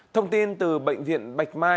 thông tin từ bệnh viện bạch mai